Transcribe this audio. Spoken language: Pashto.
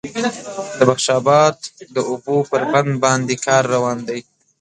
د بخش آباد د اوبو پر بند باندې کار روان دی